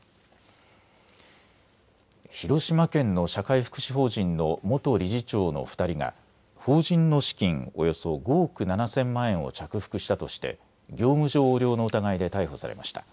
広島県の社会福祉法人の元理事長の２人が法人の資金およそ５億７０００万円を着服したとして業務上横領の疑いで逮捕されました。